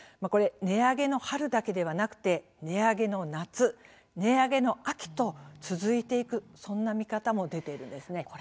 値上げの春だけでなくて値上げの夏値上げの秋と続いていくそんな見方も出ているんですね。